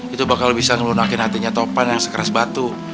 itu bakal bisa melunakin hatinya topan yang sekeras batu